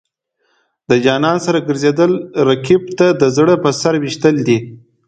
د جانان سره ګرځېدل، رقیب ته د زړه په سر ویشتل دي.